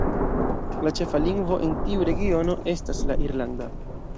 La ĉefa lingvo en tiu regiono estas la irlanda.